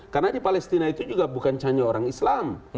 karena di palestina itu juga bukan hanya orang islam